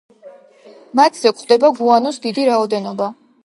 მათზე გვხვდება გუანოს დიდი რაოდენობა.